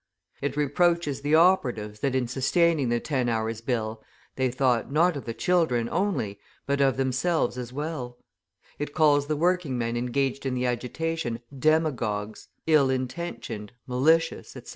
It reproaches the operatives that in sustaining the Ten Hours' Bill they thought, not of the children only, but of themselves as well; it calls the working men engaged in the agitation demagogues, ill intentioned, malicious, etc.